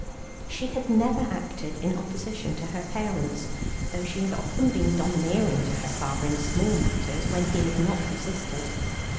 She had never acted in opposition to her parents, though she had often been domineering to her father in small matters, when he had not resisted.